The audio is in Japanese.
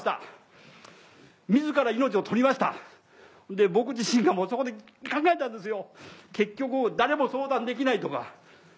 で僕自身がそこで考えたんですよ。